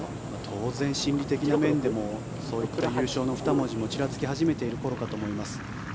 当然心理的な面でもそういった優勝の二文字もちらつき始めていると思います。